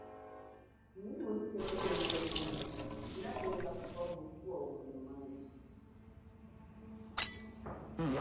Nyi uli thethekeli wa milimo, inatela kupwa nyi umwene mwene.